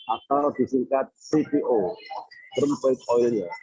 atau disingkat cto crimp oil